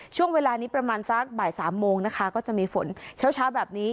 ช่วงเวลานี้ประมาณสักบ่ายสามโมงนะคะก็จะมีฝนเช้าแบบนี้